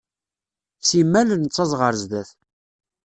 Simmal nettaẓ ɣer zdat.